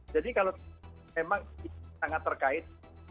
jadi kalau memang sangat terkait